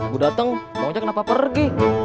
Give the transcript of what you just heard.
bu dateng mau ngajak kenapa pergi